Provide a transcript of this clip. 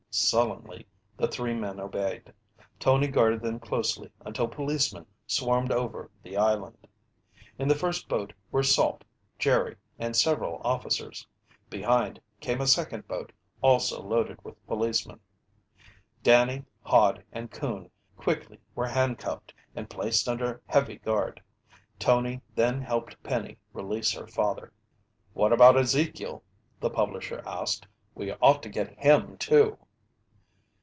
Sullenly the three men obeyed. Tony guarded them closely until policemen swarmed over the island. In the first boat were Salt, Jerry and several officers. Behind came a second boat, also loaded with policemen. Danny, Hod and Coon quickly were handcuffed and placed under heavy guard. Tony then helped Penny release her father. "What about Ezekiel?" the publisher asked. "We ought to get him too!"